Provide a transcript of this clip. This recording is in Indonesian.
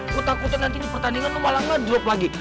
gue takutnya nanti di pertandingan lo malah ngedrop lagi